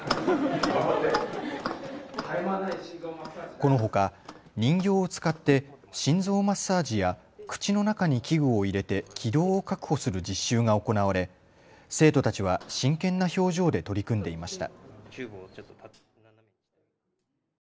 このほか人形を使って心臓マッサージや口の中に器具を入れて気道を確保する実習が行われ生徒たちは真剣な表情で取り組んでいました。